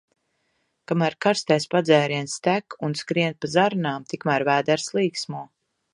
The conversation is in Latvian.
Kamēr karstais padzēriens tek un skrien pa zarnām, tikmēr vēders līksmo.